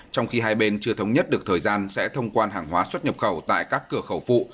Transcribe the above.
trong khi hai bên chưa thống nhất được thời gian sẽ thông quan hàng hóa xuất nhập khẩu tại các cửa khẩu phụ